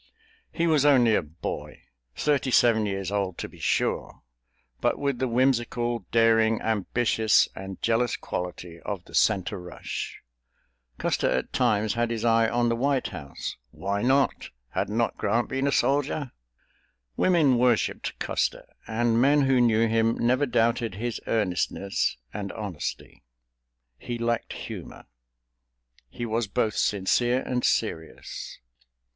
He was only a boy, thirty seven years old, to be sure, but with the whimsical, daring, ambitious and jealous quality of the center rush. Custer at times had his eye on the White House—why not! Had not Grant been a soldier? Women worshiped Custer, and men who knew him, never doubted his earnestness and honesty. He lacked humor. He was both sincere and serious.